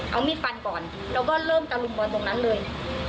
เอามีสิ้นมันก่อนแล้วก็เริ่มกระลุ่มบนตรงนั้นเลย